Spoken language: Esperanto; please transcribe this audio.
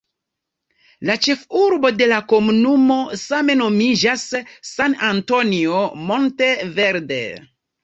La ĉefurbo de la komunumo same nomiĝas "San Antonio Monte Verde".